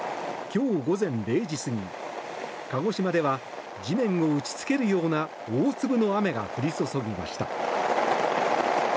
今日午前０時過ぎ、鹿児島では地面を打ちつけるような大粒の雨が降り注ぎました。